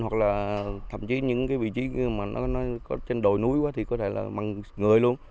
hoặc là thậm chí những vị trí trên đồi núi quá thì có thể là măng người luôn